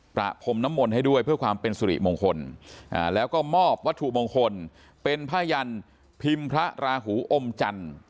ประพรมน้ำมนต์ให้ด้วยเพื่อความเป็นสุริมงคลแล้วก็มอบวัตถุมงคลเป็นผ้ายันพิมพ์พระราหูอมจันทร์